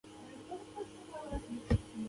خو علمي نهادونه پلان نه لري.